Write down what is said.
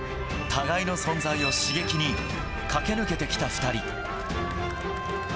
互いの存在を刺激に、駆け抜けてきた２人。